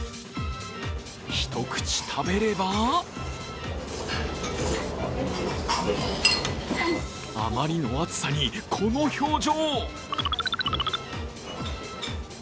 一口食べればあまりの熱さに、この表情。